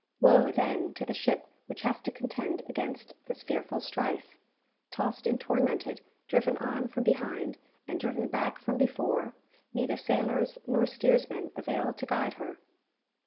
Woe, then, to the ship which has to contend against this fearful strife! Tossed and tormented, driven on from behind, and driven back from before, neither sailors nor steersmen avail to guide her.